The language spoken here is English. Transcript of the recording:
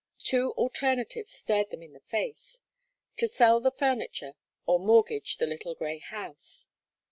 Two alternatives stared them in the face: to sell the furniture, or mortgage the little grey house.